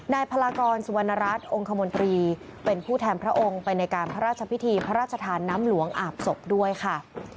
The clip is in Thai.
พลากรสุวรรณรัฐองค์คมนตรีเป็นผู้แทนพระองค์ไปในการพระราชพิธีพระราชทานน้ำหลวงอาบศพด้วยค่ะ